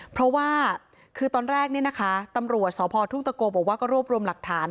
เพราะว่าตอนแรกนี่นะคะตำรวจสธุลตโกบบอกก็รวบรวมหลักฐาน